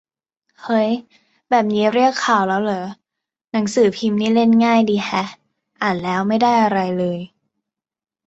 เฮ้ย แบบนี้เรียก 'ข่าว' แล้วเหรอ หนังสือพิมพ์นี่เล่นง่ายดีแฮะ อ่านแล้วไม่ได้อะไรเลย